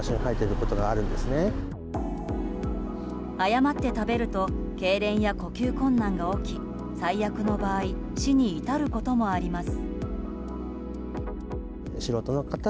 誤って食べるとけいれんや呼吸困難が起き最悪の場合死に至ることもあります。